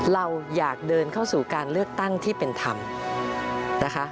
เราอยากเดินเข้าสู่การเลือกตั้งที่เป็นธรรมนะคะ